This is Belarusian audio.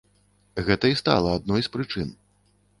Гэта і стала адной з прычын.